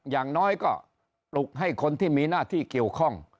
อย่างน้อยก็ปลุกให้คนที่มีหน้าที่เกี่ยวข้อง